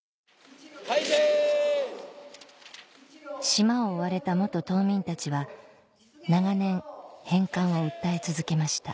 島を追われた島民たちは長年返還を訴え続けました